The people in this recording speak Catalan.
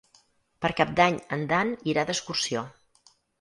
Per Cap d'Any en Dan irà d'excursió.